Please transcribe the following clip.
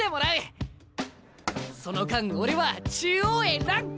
その間俺は中央へラン！